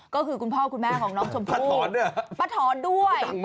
ก็คือคุณพ่อคุณแม่ของน้องชมพู่ป้าถอนด้วย